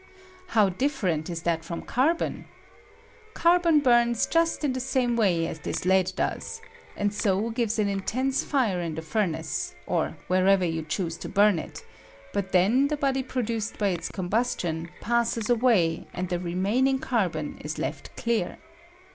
How 'different is that from carhonl Carbon bums just in the same way as this lead does, and so gives an intense fire in the fiamace, or wherever you choose to bum it; but then the body pro duced by its combustion passes away, and the remaining carbon is left clear.